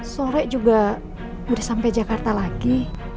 sore juga udah sampai jakarta lagi